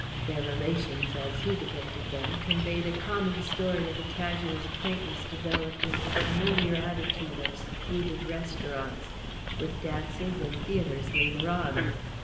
Their relations, as he depicted them, conveyed a common story of a casual acquaintance developed in the familiar atmosphere of secluded restaurants, with dances and theatres later on.